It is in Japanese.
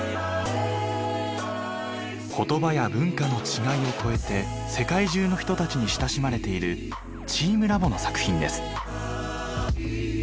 言葉や文化の違いを超えて世界中の人たちに親しまれているチームラボの作品です。